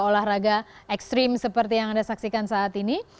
olahraga ekstrim seperti yang anda saksikan saat ini